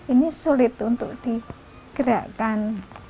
ini sulit untuk digerakkan